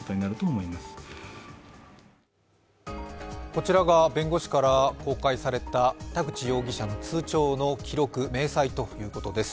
こちらが弁護士から公開された田口容疑者の通帳の記録明細ということです。